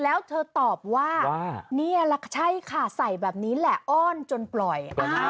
แล้วเธอตอบว่านี่แหละใช่ค่ะใส่แบบนี้แหละอ้อนจนปล่อย